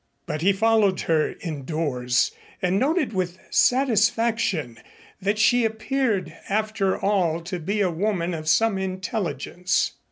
But he followed her indoors and noted with satisfaction that she appeared after all to be a woman of some intelligence.